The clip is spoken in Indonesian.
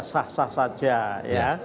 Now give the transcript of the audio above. sah sah saja ya